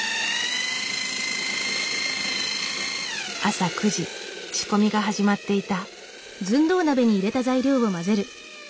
朝９時仕込みが始まっていた。